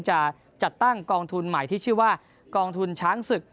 จะจัดตั้งกองทุนใหม่ที่ชื่อว่ากองทุนช้างศึก